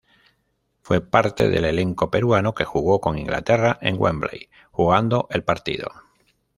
Fue parte del elenco peruano que jugó con Inglaterra en Wembley jugando el partido.